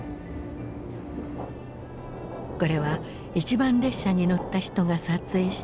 これは一番列車に乗った人が撮影した